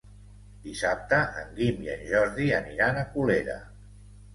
Dissabte en Guim i en Jordi aniran a Colera.